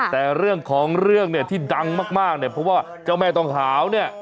แต่เรื่องของเรื่องเนี่ยที่ดังมากเนี่ยเพราะว่าเจ้าแม่ต้องหาวเนี่ย